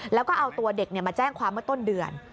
แล้วก็เอาตัวเด็กมาแจ้งความเมื่อต้นเดือน